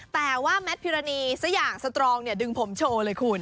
แต่ว่าแมทพิรณีสักอย่างสตรองเนี่ยดึงผมโชว์เลยคุณ